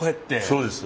そうです。